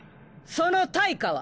その対価は？